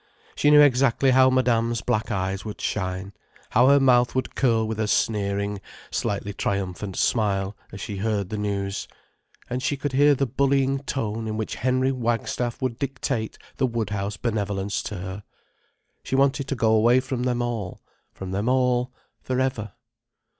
She knew exactly how Madame's black eyes would shine, how her mouth would curl with a sneering, slightly triumphant smile, as she heard the news. And she could hear the bullying tone in which Henry Wagstaff would dictate the Woodhouse benevolence to her. She wanted to go away from them all—from them all—for ever.